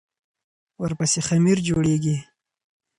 ورپسې خمیر جوړېږي.